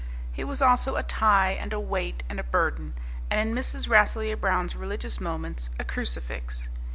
He was also a tie, and a weight, and a burden, and in Mrs. Rasselyer Brown's religious moments a crucifix.